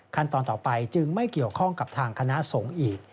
ต่อไปจึงไม่เกี่ยวข้องกับทางคณะสงฆ์อีก